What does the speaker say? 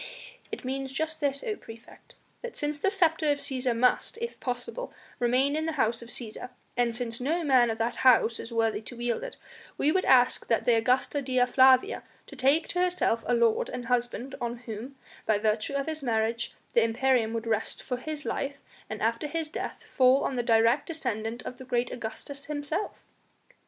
"It means just this, O praefect! that since the sceptre of Cæsar must, if possible, remain in the House of Cæsar, and since no man of that House is worthy to wield it, we would ask the Augusta Dea Flavia to take to herself a lord and husband, on whom, by virtue of his marriage, the imperium would rest for his life, and after his death fall on the direct descendant of great Augustus himself."